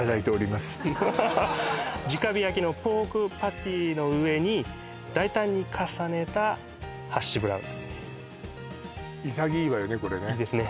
バーガー直火焼きのポークパティの上に大胆に重ねたハッシュブラウンですねいいですね